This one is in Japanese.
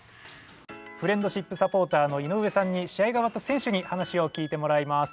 フレンドシップサポーターの井上さんに試合が終わった選手に話を聞いてもらいます。